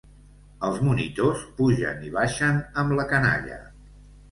Els monitors pugen i baixen amb la canalla.